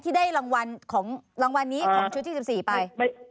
ที่ได้รางวัลของชุดที่๑๔ไป